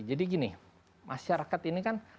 jadi gini masyarakat ini kan